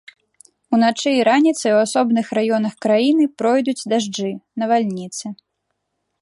Уначы і раніцай у асобных раёнах краіны пройдуць дажджы, навальніцы.